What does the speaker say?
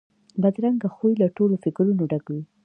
بدرنګه خوی له تورو فکرونو ډک وي